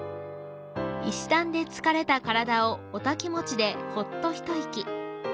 石段で疲れた体をお滝もちでほっと一息。